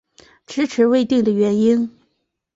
迟迟未定的原因